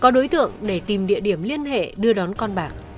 có đối tượng để tìm địa điểm liên hệ đưa đón con bạc